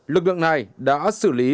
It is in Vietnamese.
lực lượng này đã xử lý